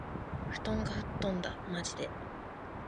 布団が吹っ飛んだ。（まじで）